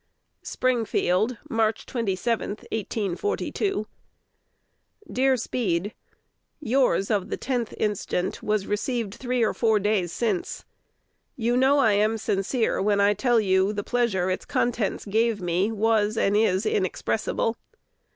Springfield, March 27, 1842. Dear Speed, Yours of the 10th inst. was received three or four days since. You know I am sincere when I tell you the pleasure its contents gave me was and is inexpressible.